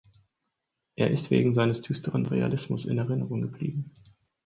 Es ist wegen seines düsteren Realismus in Erinnerung geblieben.